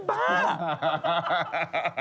บ้า